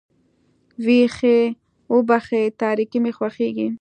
وبښئ تاريکي مې خوښېږي.